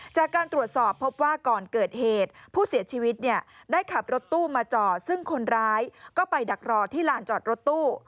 จากการตรวจสอบพบว่าก่อนเกิดเหตุผู้เสียชีวิตเนี่ยได้ขับรถตู้มาจอดซึ่งคนร้ายก็ไปดักรอที่ลานจอดรถตู้